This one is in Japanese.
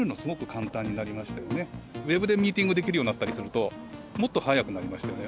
ウェブでミーティングできるようになったりするともっと早くなりましたよね。